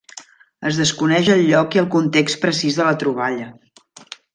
Es desconeix el lloc i el context precís de la troballa.